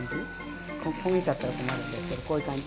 焦げちゃったら困るのでこういう感じ？